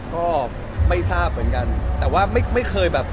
ก็ไม่ทราบเหมือนกัน